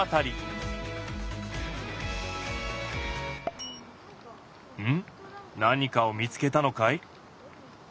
何かを見つけたのかい？